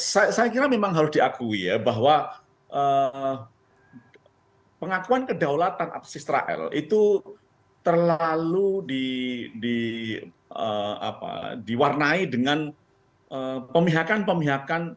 saya kira memang harus diakui ya bahwa pengakuan kedaulatan atas israel itu terlalu diwarnai dengan pemihakan pemihakan